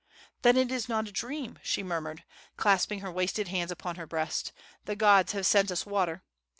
"Then it is not a dream!" she murmured, clasping her wasted hands upon her breast. "The gods have sent us water!"